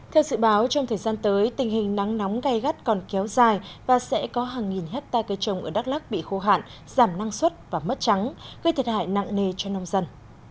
theo dự báo trong thời gian tới tình hình nắng nóng gai gắt còn kéo dài và sẽ có hàng nghìn hectare cây trồng ở đắk lắc bị khô hạn giảm năng suất và mất trắng gây thiệt hại nặng nề cho nông dân